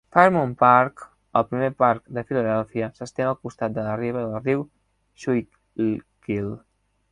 Fairmount Park, el primer parc de Filadèlfia, s'estén al costat de la riba del riu Schuylkill.